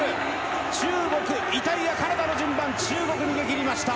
中国、イタリア、カナダの順番中国逃げ切りました。